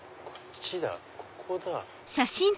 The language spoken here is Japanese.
ここだ。